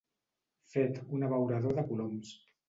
Fet un abeurador de coloms.